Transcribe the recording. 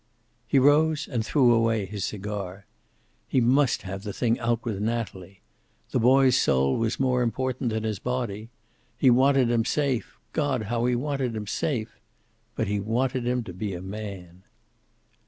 He rose and threw away his cigar. He must have the thing out with Natalie. The boy's soul was more important than his body. He wanted him safe. God, how he wanted him safe! But he wanted him to be a man.